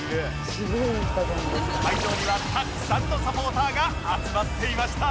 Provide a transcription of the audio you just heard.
会場にはたくさんのサポーターが集まっていました